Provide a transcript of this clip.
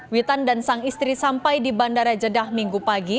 witan dan sang istri sampai di bandara jeddah minggu pagi